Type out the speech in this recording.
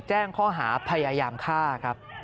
แจ้งข้อหาพยายามฆ่า